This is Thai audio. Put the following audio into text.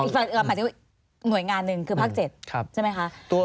หมายถึงหน่วยงานหนึ่งคือภาค๗ใช่ไหมคะ